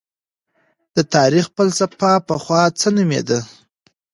د تاريخ فلسفه پخوا څه نومېده؟